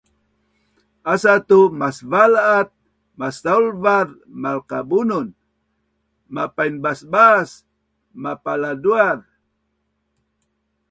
Asa tu masvala at masaulvaz malkabunun, mapainbaasbaas mapaladuaz